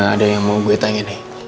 ada yang mau gue tanya nih